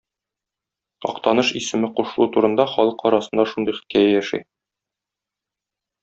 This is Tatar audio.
Актаныш исеме кушылу турында халык арасында шундый хикәя яши.